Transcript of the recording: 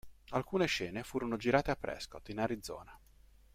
Alcune scene furono girate a Prescott, in Arizona.